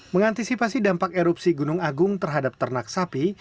mengantisipasi dampak erupsi gunung agung terhadap ternak sapi